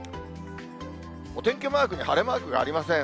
お天気マークに晴れマークがありません。